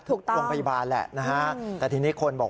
โรงพยาบาลแหละนะฮะแต่ทีนี้คนบอก